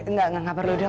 nggak perlu dok